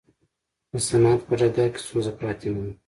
د صنعت په ډګر کې ستونزه پاتې نه وي.